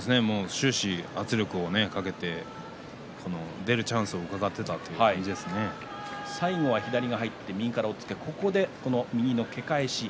終始、圧力をかけて出るチャンスをうかがっていたと最後、左が入って右からの押っつけ。